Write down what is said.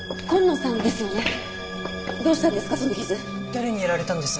誰にやられたんです？